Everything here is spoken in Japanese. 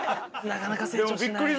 なかなか成長しない。